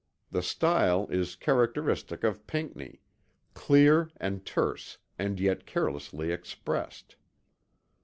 The style is characteristic of Pinckney; clear and terse and yet carelessly expressed.